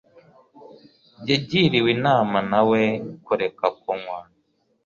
yagiriwe inama na we kureka kunywa